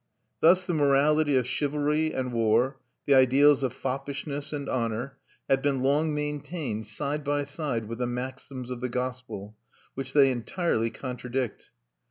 Thus the morality of chivalry and war, the ideals of foppishness and honour, have been long maintained side by side with the maxims of the gospel, which they entirely contradict.